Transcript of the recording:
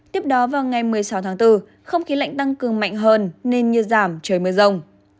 tiếp đó vào ngày một mươi sáu tháng bốn không khí lạnh tăng cường mạnh hơn nên nhiệt giảm trời mưa rông